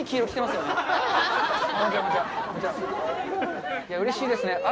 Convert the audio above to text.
いや、うれしいですね。